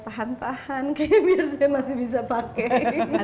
tahan tahan kayaknya biar saya masih bisa pakai